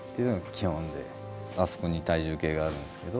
あそこに体重計があるんですけど。